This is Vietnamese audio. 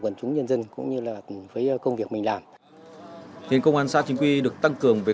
quần chúng nhân dân cũng như là với công việc mình làm thì công an xã chính quy được tăng cường với